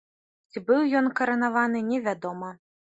Ці быў ён каранаваны невядома.